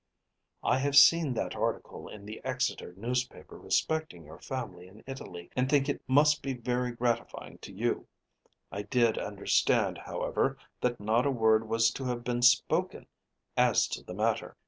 I have seen that article in the Exeter newspaper respecting your family in Italy, and think that it must be very gratifying to you. I did understand, however, that not a word was to have been spoken as to the matter.